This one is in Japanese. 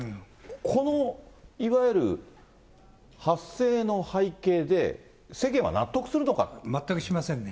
このいわゆる発生の背景で、全くしませんね。